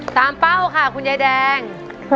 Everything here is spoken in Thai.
ตามเป้าค่ะคุณนายแดง